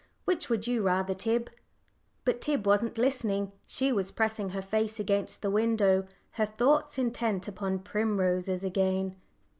Which would you rather, Tib?" But Tib wasn't listening. She was pressing her face against the window, her thoughts intent upon primroses again.